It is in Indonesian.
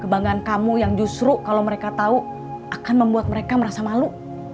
kebanggaan kamu yang justru kalau mereka tahu akan membuat mereka merasa malu